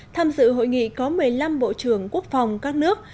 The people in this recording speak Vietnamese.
tham dự hội nghị có một mươi năm bộ trưởng quốc phòng các nước